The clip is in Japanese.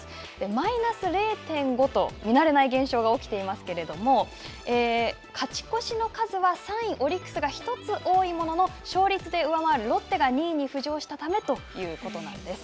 マイナス０．５と、見なれない現象が起きていますけれども、勝ち越しの数は３位オリックスが１つ多いものの、勝率で上回るロッテが２位に浮上したためということなんです。